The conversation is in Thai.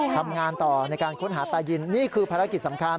ทำงานต่อในการค้นหาตายินนี่คือภารกิจสำคัญ